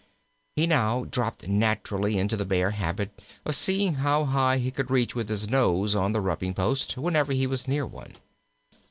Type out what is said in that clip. He now dropped naturally into the Bear habit of seeing how high he could reach with his nose on the rubbing post, whenever he was near one.